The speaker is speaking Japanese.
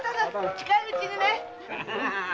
近いうちにね！